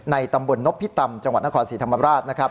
ในตำบลนบพิตรรรมจังหวัดนครสีธรรมราช